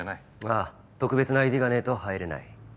ああ特別なＩＤがねえと入れない。